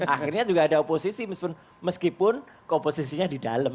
akhirnya juga ada oposisi meskipun komposisinya di dalam